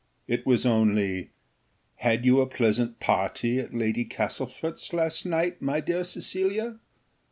It was only, "Had you a pleasant party at Lady Castlefort's last night, my dear Cecilia?"